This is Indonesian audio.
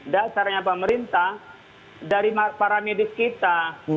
dasarnya pemerintah dari para medis kita